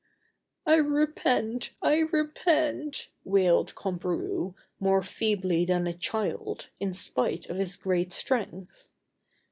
"I repent! I repent," wailed Comperou, more feebly than a child, in spite of his great strength.